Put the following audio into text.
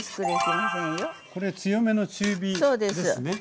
これ強めの中火ですね。